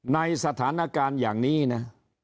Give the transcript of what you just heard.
ในสถานการณ์อย่างนี้นะ